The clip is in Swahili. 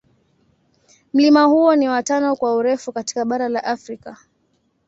Mlima huo ni wa tano kwa urefu katika bara la Afrika.